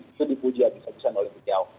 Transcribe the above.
itu dipuji abis abisan oleh beliau